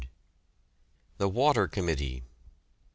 THE WATER COMMITTEE.